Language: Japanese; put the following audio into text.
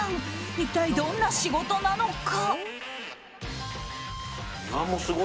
一体どんな仕事なのか。